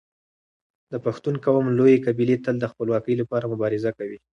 د پښتون قوم لويې قبيلې تل د خپلواکۍ لپاره مبارزه کوي.